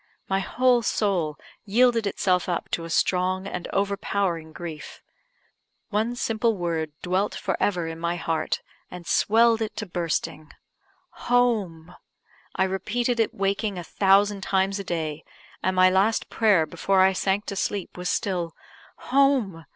My whole soul yielded itself up to a strong and overpowering grief. One simple word dwelt for ever in my heart, and swelled it to bursting "Home!" I repeated it waking a thousand times a day, and my last prayer before I sank to sleep was still "Home!